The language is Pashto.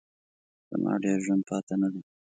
زما ډېر ژوند پاته نه دی.